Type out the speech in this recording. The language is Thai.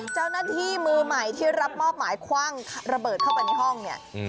เจ้าหน้าที่มือใหม่ที่รับมอบหมายคว่างระเบิดเข้าไปในห้องเนี่ย